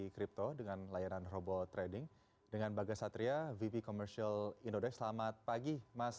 crypto dengan layanan robot trading dengan bagas satria vp commercial indonesia selamat pagi mas